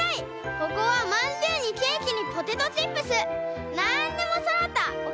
ここはまんじゅうにケーキにポテトチップスなんでもそろったおかしべや！」。